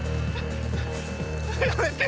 やめて。